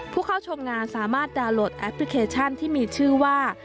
ผู้เข้าชมงานสามารถดาวน์โหลดแอปพลิเคชันที่มีชื่อว่า